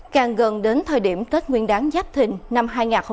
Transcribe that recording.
càng gần đến thời điểm tết nguyên đáng giáp thình năm hai nghìn hai mươi bốn